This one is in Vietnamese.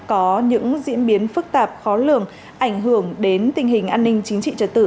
có những diễn biến phức tạp khó lường ảnh hưởng đến tình hình an ninh chính trị trật tự